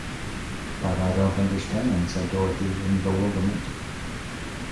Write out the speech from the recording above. "But, I don't understand," said Dorothy, in bewilderment.